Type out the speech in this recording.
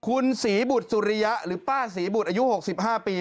คุณศรีบุตรสุริยะหรือป้าศรีบุตรอายุ๖๕ปี